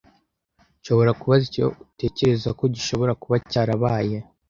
Nshobora kubaza icyo utekereza ko gishobora kuba cyarabaye?